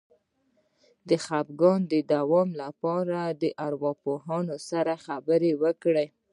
د خپګان د دوام لپاره له ارواپوه سره خبرې وکړئ